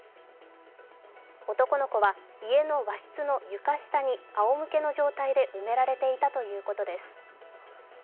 男の子は家の和室の床下にあおむけの状態で埋められていたということです。